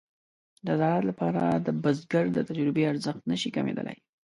د زراعت لپاره د بزګر د تجربې ارزښت نشي کمېدلای.